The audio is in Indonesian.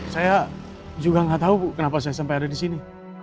saya juga nggak tahu bu kenapa saya sampai ada di sini